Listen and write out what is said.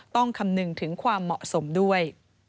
คำนึงถึงความเหมาะสมด้วย